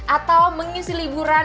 atau mengisi liburan